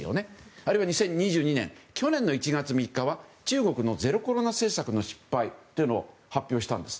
あるいは２０２２年去年の１月３日は中国のゼロコロナ政策の失敗というのを発表したんです。